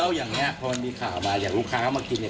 แล้วอย่างนี้พอมันมีข่าวมาอย่างลูกค้ามากินเนี่ย